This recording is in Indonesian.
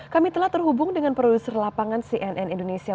kami telah terhubung dengan produser lapangan cnn indonesia